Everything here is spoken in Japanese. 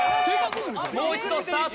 もう一度スタート！